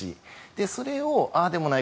それをああでもない